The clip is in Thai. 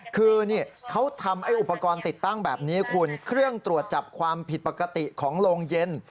คือนี่เขาทำไอ้อุปกรณ์ติดตั้งแบบนี้คุณเครื่องตรวจจับความผิดปกติของโรงเย็น